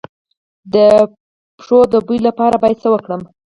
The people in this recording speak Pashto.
د پښو د بوی لپاره باید څه وکړم؟